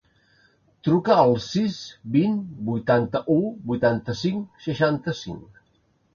Truca al sis, vint, vuitanta-u, vuitanta-cinc, seixanta-cinc.